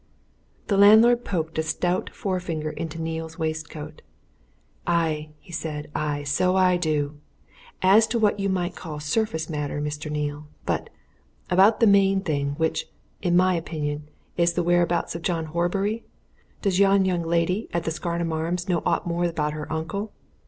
The landlord poked a stout forefinger into Neale's waistcoat. "Aye!" he said. "Aye, so I do! as to what you might call surface matter, Mr. Neale. But about the main thing, which, in my opinion, is the whereabouts of John Horbury? Does yon young lady at the Scarnham Arms know aught more about her uncle?